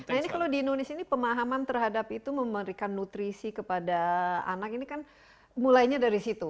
nah ini kalau di indonesia ini pemahaman terhadap itu memberikan nutrisi kepada anak ini kan mulainya dari situ